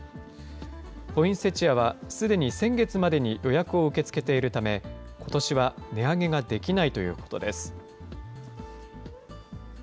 ポインセチアはすでに先月までに予約を受け付けているため、ことしは値上げができないということです。